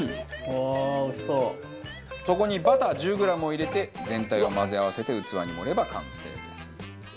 そこにバター１０グラムを入れて全体を混ぜ合わせて器に盛れば完成です。